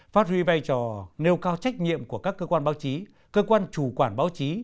phát huy vai trò nêu cao trách nhiệm của các cơ quan báo chí cơ quan chủ quản báo chí